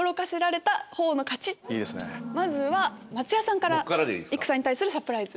まずは松也さんから育さんに対するサプライズ。